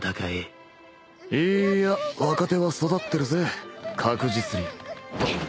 いいや若手は育ってるぜ確実に。